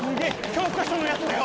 教科書のやつだよ。